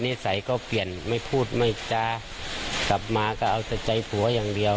นิสัยก็เปลี่ยนไม่พูดไม่จ้ากลับมาก็เอาแต่ใจผัวอย่างเดียว